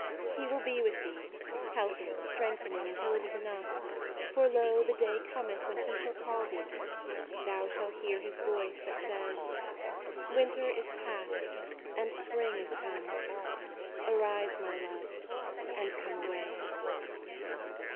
He will be with thee, helping, strength ening, Until it is enough: for lo, the day Cometh when He shall call thee: thou shall hear His voice that says: " Winter is past, and Spring Is come; arise, My Love, and come away."